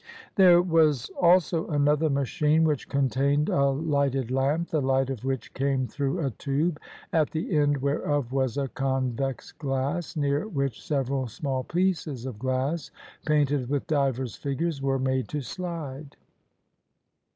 There was also another machine which contained a lighted lamp, the light of which came through a tube, at the end whereof was a convex glass, near which several small pieces of glass painted with divers figures were made to slide.